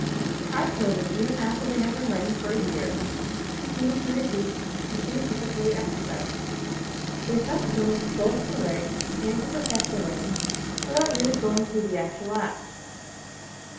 Our children, even after they have been writing for a year, continue to repeat the three preparatory exercises. They thus learn both to write, and to perfect their writing, without really going through the actual act.